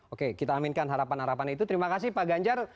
oke kita aminkan harapan harapannya itu terima kasih pak ganjar